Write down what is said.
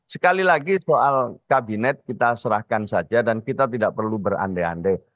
sekali lagi soal kabinet kita serahkan saja dan kita tidak perlu berandai andai